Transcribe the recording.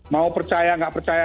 mau percaya nggak percaya